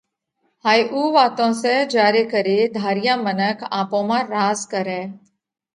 هائي اُو واتون سئہ جيا ري ڪري ڌاريا منک آپون مانه راز ڪرئه